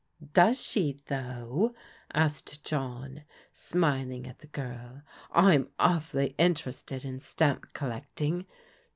" Does she, though ?" asked John, smiling at the girl, "I'm awfully interested in stamp collecting.